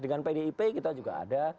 dengan pdip kita juga ada